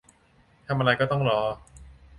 ทำอะไรก็ต้องรอ